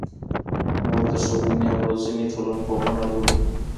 موږ د ښوونې او روزنې ټولنپوهنه لولو.